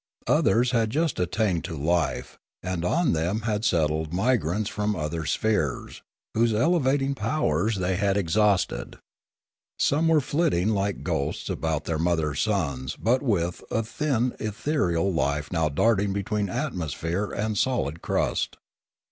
Others had just attained to life; and on them had settled migrants from other spheres, whose elevating powers they had exhausted. Some were flitting like ghosts about their mother suns with but a thin ethereal life now darting between atmosphere and solid crust.